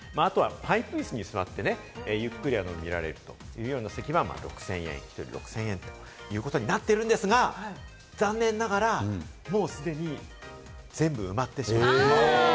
あとはパイプ椅子に座ってね、ゆっくり見られるという席は６０００円ということになっているんですが、残念ながらもう既に全部埋まってしまっている。